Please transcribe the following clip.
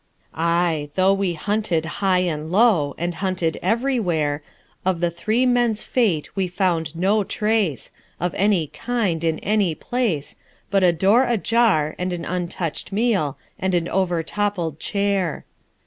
Aye: though we hunted high and low, And hunted everywhere, Of the three men's fate we found no trace Of any kind in any place, But a door ajar, and an untouched meal, And an overtoppled chair.